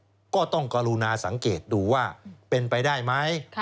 ก็ต้องกรุณาสังเกตดูว่าเป็นไปได้ไหม